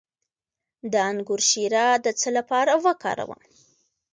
د انګور شیره د څه لپاره وکاروم؟